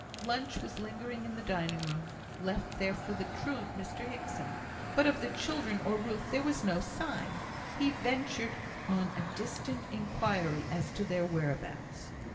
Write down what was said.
Lunch was lingering in the dining room, left there for the truant Mr Hickson; but of the children or Ruth there was no sign. He ventured on a distant inquiry as to their whereabouts.